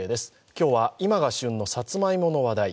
今日は、今が旬のさつまいもの話題。